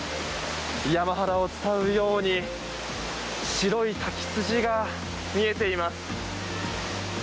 山肌を伝うように白い滝筋が見えています。